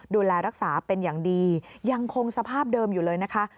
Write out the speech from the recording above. ดูแลรักษาเป็นอย่างดียังคงสภาพเดิมอยู่เลยนะคะ